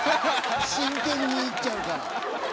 真剣に見入っちゃうから。